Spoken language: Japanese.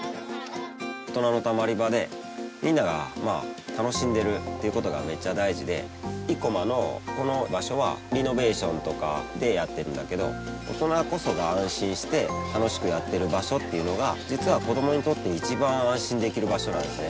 大人のたまり場でみんなが楽しんでるっていうことがめっちゃ大事で生駒のこの場所はリノベーションとかでやってるんだけど大人こそが安心して楽しくやってる場所っていうのが実は子供にとって一番安心できる場所なんですね